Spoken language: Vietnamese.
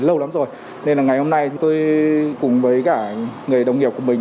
lâu lắm rồi nên là ngày hôm nay chúng tôi cùng với cả người đồng nghiệp của mình